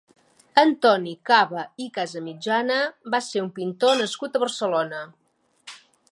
Antoni Caba i Casamitjana va ser un pintor nascut a Barcelona.